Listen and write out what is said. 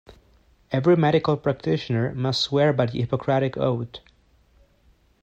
Every medical practitioner must swear by the Hippocratic oath.